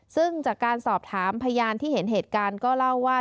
ซึ่งจากการสอบถามพยานที่เห็นเหตุการณ์ก็เล่าว่า